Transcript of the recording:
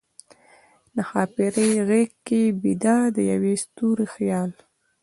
د ښاپیرۍ غیږ کې بیده، د یوه ستوری خیال